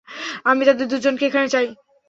আমি তাদের দুজনকে এখানে চাই।